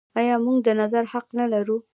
آیا موږ د نظر حق نلرو؟